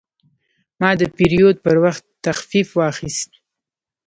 ما د پیرود پر وخت تخفیف واخیست.